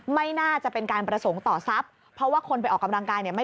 ไม่น่าจะเป็นการบรรสงค์ต่อทรัพย์